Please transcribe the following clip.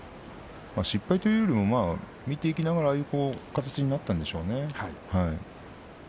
失敗と言うよりも見ていきながらああいう形になったんでしょうね。